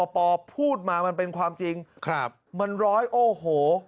พูดมามันเป็นความจริงมันร้อยโอ้โห